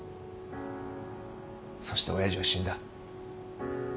そして親父は死んだ。